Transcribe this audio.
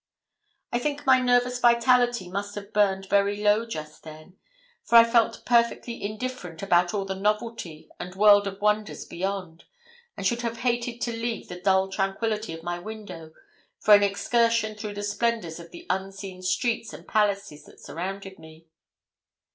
I think my nervous vitality must have burnt very low just then, for I felt perfectly indifferent about all the novelty and world of wonders beyond, and should have hated to leave the dull tranquillity of my window for an excursion through the splendours of the unseen streets and palaces that surrounded me.